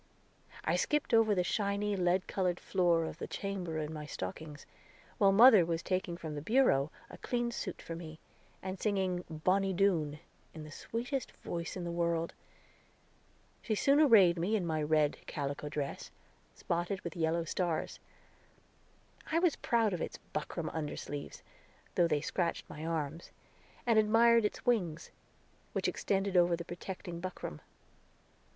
I skipped over the shiny, lead colored floor of the chamber in my stockings, while mother was taking from the bureau a clean suit for me, and singing "Bonny Doon," with the sweetest voice in the world. She soon arrayed me in my red calico dress, spotted with yellow stars. I was proud of its buckram undersleeves, though they scratched my arms, and admired its wings, which extended over the protecting buckram.